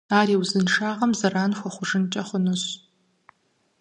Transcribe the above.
Ар и узыншагъэм зэран хуэхъужынкӀэ хъунущ.